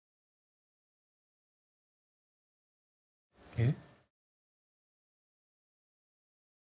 「えっ？」